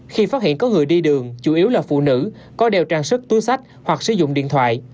khi phát hiện có người đi đường chủ yếu là phụ nữ có đeo trang sức túi sách hoặc sử dụng điện thoại